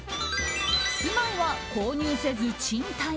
住まいは購入せず賃貸。